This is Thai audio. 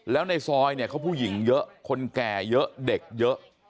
แล้วในซอยเนี่ยเขาผู้หญิงเยอะคนแก่เยอะเด็กเยอะ